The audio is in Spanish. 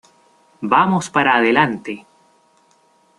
Vamos para adelante!